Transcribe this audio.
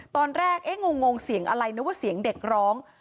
ตอนแรกเอ๊ะงงเสียงอะไรนึกว่าเสียงเด็กร้อง